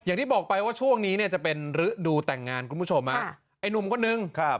อย่างที่บอกไปว่าช่วงนี้เนี่ยจะเป็นฤดูแต่งงานคุณผู้ชมฮะไอ้หนุ่มคนนึงครับ